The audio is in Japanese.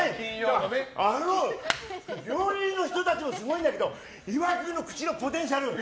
あの料理人の人たちもすごいんだけど岩井君の口のポテンシャル。